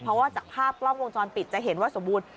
เพราะว่าจากภาพกล้องวงจรปิดจะเห็นว่าสมบูรณ์